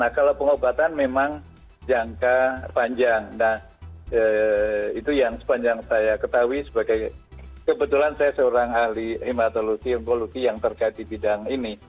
nah kalau pengobatan memang jangka panjang nah itu yang sepanjang saya ketahui sebagai kebetulan saya seorang ahli hematologi impologi yang terkait di bidang ini